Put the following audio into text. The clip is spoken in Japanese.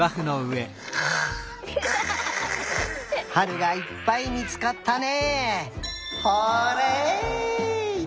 はるがいっぱいみつかったね！